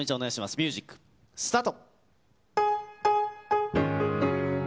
ミュージック、スタート。